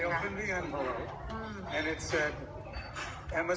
ว่าไงค่ะ